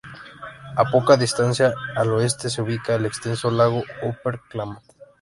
A poca distancia al oeste se ubica el extenso Lago Upper Klamath.